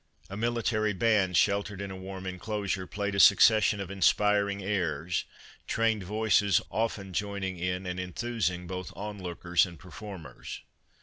A mili tary band, sheltered in a warm enclosure, played a succession of inspiring airs, trained voices often joining in and enthusing both onlookers and per formers.